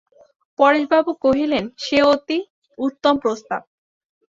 পরেশবাবু কহিলেন, সে অতি উত্তম প্রস্তাব।